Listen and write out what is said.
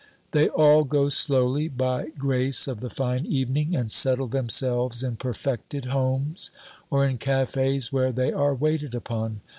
They all go slowly, by grace of the fine evening, and settle themselves in perfected homes, or in cafes where they are waited upon.